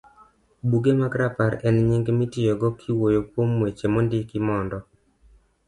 Buge mag Rapar en nying mitiyogo kiwuoyo kuom weche mondiki mondo